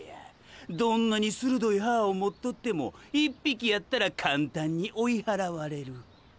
どんなに鋭い歯を持っとっても１匹やったら簡単に追い払われる。